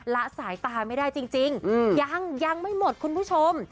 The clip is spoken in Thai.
ละสายตาไม่ได้จริงยังยังไม่หมดคุณผู้ชม